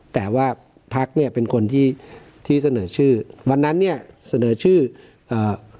แต่ว่าพักเนี้ยเป็นคนที่ที่เสนอชื่อวันนั้นเนี้ยเสนอชื่ออ่า